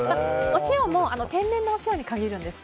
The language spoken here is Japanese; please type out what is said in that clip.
お塩も天然のお塩に限ります。